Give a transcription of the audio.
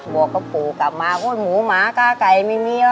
บอกกับปู่กลับมาว่าหมูหมากล้าไก่ไม่มีเยอะ